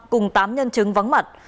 cùng tám nhân chứng vắng mặt